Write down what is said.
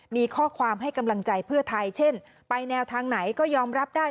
มีข้อความให้กำลังใจเพื่อไทยเช่นไปแนวทางไหนก็ยอมรับได้